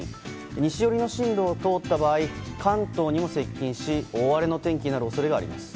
西寄りの進路を通った場合関東にも接近し大荒れの天気になる恐れがあります。